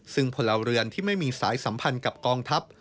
ซึ่งพลเรือนที่ไม่มีสายสัมพันธ์กับกองทัพ